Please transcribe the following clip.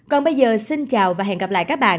còn bây giờ xin chào và hẹn gặp lại các bạn